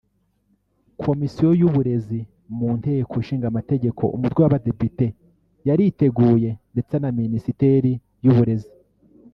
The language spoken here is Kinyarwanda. Komisiyo y’Uburezi mu Nteko Ishingamategeko umutwe w’Abadepite yariteguye ndetse na Minisiteri y’Uburezi